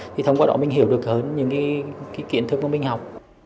thì thông qua đó mình hiểu được hơn những cái kiến thức của mình học